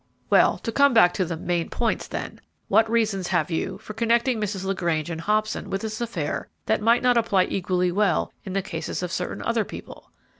"Well, to come back to the 'main points,' then: what reasons have you for connecting Mrs. LaGrange and Hobson with this affair that might not apply equally well in the cases of certain other people?"